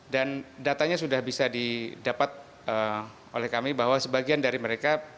dan datanya sudah bisa didapat oleh kami bahwa sebagian dari mereka